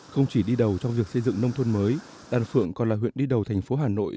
không chỉ đi đầu trong việc xây dựng nông thôn mới đàn phượng còn là huyện đi đầu thành phố hà nội